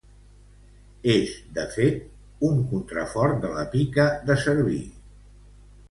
És, de fet, un contrafort de la Pica de Cerví.